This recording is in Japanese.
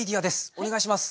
お願いします！